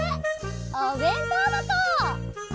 おべんとうばこ！